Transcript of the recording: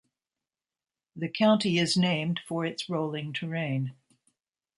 The county is named for its rolling terrain.